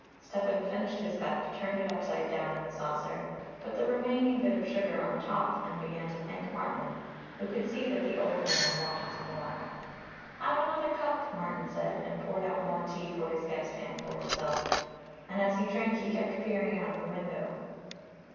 Stepan finished his cup, turned it upside down in the saucer, put the remaining bit of sugar on top and began to thank Martin, who could see that the old man wanted some more. "Have another cup," Martin said and poured out more tea for his guest and for himself, and as he drank, he kept peering out of the window.